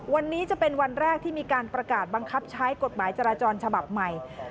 วันนี้จะเป็นวันแรกที่มีการประกาศบังคับใช้กฎหมายจราจรฉบับใหม่